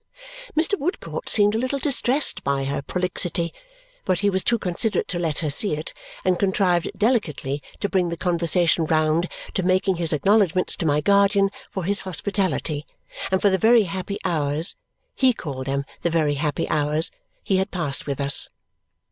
Mr. Woodcourt seemed a little distressed by her prolixity, but he was too considerate to let her see it and contrived delicately to bring the conversation round to making his acknowledgments to my guardian for his hospitality and for the very happy hours he called them the very happy hours he had passed with us.